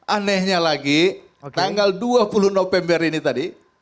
anehnya lagi tanggal dua puluh november ini tadi